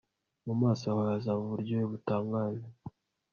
mu maso hawe hazaba uburyohe butangaje